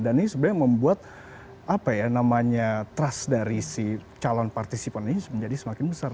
dan ini sebenarnya membuat trust dari si calon partisipan ini menjadi semakin besar